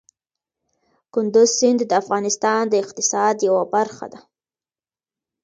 کندز سیند د افغانستان د اقتصاد یوه برخه ده.